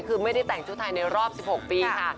คือไม่ได้แต่งชุดไทยในรอบ๑๖ปีค่ะ